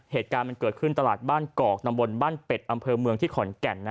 เหตุการณ์มันเกิดขึ้นตลาดบ้านกอกตำบลบ้านเป็ดอำเภอเมืองที่ขอนแก่น